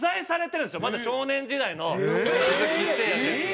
まだ少年時代の鈴木誠也選手が。